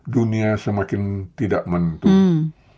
dunia semakin tidak mentuh